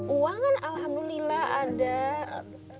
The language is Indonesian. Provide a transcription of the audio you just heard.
uang kan alhamdulillah ada